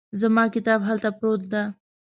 زما کتاب هلته پروت ده